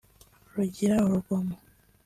rugira urugomo